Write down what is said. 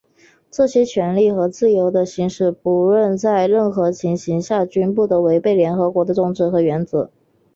这些权利和自由的行使,无论在任何情形下均不得违背联合国的宗旨和原则。